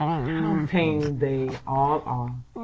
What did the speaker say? "How tame they all are!